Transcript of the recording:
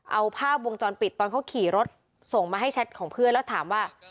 เอาภาพวงจรปิดตอนเขาขี่รถส่งมาให้แชทของเพื่อนแล้วถามว่า